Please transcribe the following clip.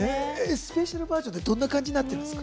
スペシャルバージョンってどんな感じなんですか？